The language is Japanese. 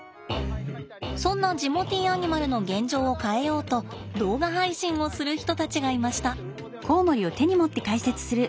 そんなジモティーアニマルの現状を変えようと動画配信をする人たちがいました。